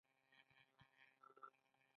د ځمکې کمښت ستونزې جوړې کړې.